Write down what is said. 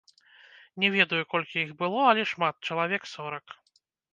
Не ведаю, колькі іх было, але шмат, чалавек сорак.